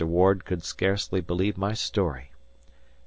Ward could scarcely believe my story.